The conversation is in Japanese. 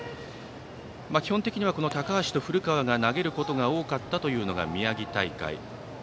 基本的には、高橋と古川が投げることが多かったのが宮城大会。